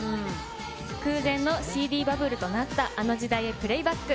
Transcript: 空前のＣＤバブルとなったあの時代へ、プレイバック。